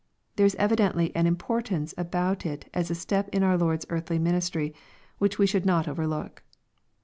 There is evidently an importance about it as a step in our Lord's earthly ministry, which we should not overlook.